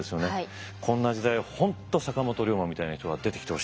こんな時代本当坂本龍馬みたいな人が出てきてほしい。